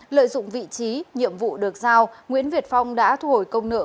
lợi dụng vị trí nhiệm vụ được giao nguyễn việt phong đã thu hồi công nợ